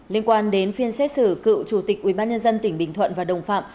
liên quan đến phiên xét xử cựu chủ tịch ubnd tỉnh bình thuận và đồng phạm